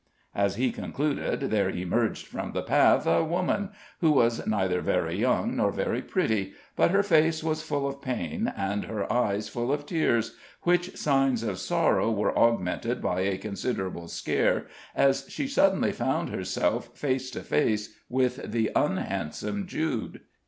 As he concluded, there emerged from the path a woman, who was neither very young nor very pretty, but her face was full of pain, and her eyes full of tears, which signs of sorrow were augmented by a considerable scare, as she suddenly found herself face to face with the unhandsome Jude.